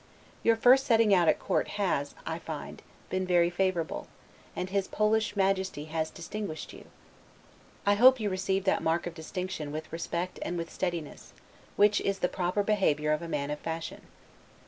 Your first setting out at court has, I find, been very favorable; and his Polish Majesty has distinguished you. I hope you received that mark of distinction with respect and with steadiness, which is the proper behavior of a man of fashion.